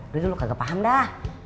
gigi lu kagak paham dah